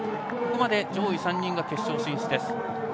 ここまで上位３人が決勝進出です。